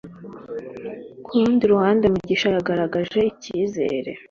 Ku rundi ruhande, Mugisha yagaragaje icyizere.